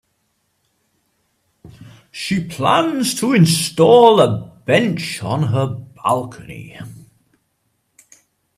She plans to install a bench on her balcony.